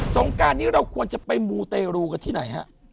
งการนี้เราควรจะไปมูเตรูกันที่ไหนฮะ